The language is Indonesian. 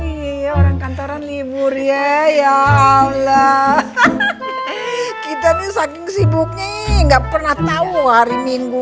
iya orang kantoran libur ya ya allah kita nih saking sibuknya nggak pernah tahu hari minggu